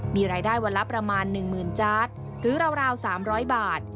มีรายได้วันละประมาณ๑๐๐๐จาร์ดหรือราว๓๐๐บาท